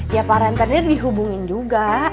ya parantenir dihubungin juga